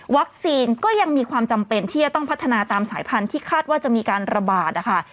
ก็ยังมีความจำเป็นที่จะต้องพัฒนาตามสายพันธุ์ที่คาดว่าจะมีการระบาดนะคะ